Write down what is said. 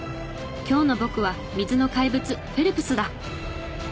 「今日の僕は水の怪物フェルプスだ！」